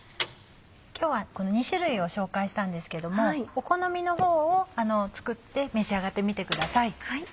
今日はこの２種類を紹介したんですけどもお好みのほうを作って召し上がってみてください。